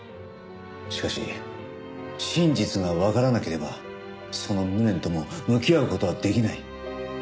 しかし真実がわからなければその無念とも向き合う事はできない。